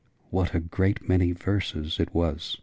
"What a many verses it was!"